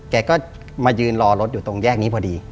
แกก็มายืนรอรถอยู่ตรงแยกนี้พอดี